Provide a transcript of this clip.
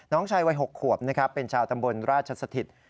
น้องชายวัย๖ขวบนะครับเป็นชาวตำบลราชสถิต